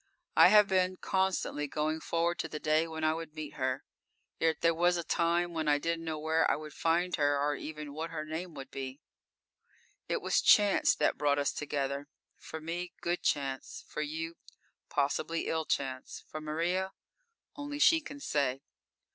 I have been constantly going forward to the day when I would meet her, yet there was a time when I didn't know where I would find her, or even what her name would be!_ _It was chance that brought us together. For me, good chance; for you, possibly ill chance; for Maria? Only she can say.